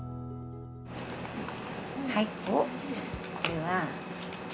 はい。